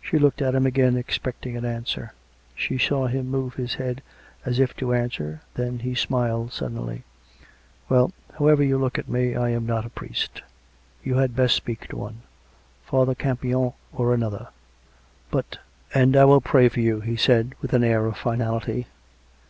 She looked at him again, expecting an answer. She saw him move his head, as if to answer. Then he smiled sud denly. " Well, however you look at me, I am not a priest. ... You had best speak to one — Father Campion or another." " But "" And I will pray for you," he said with an air of finality.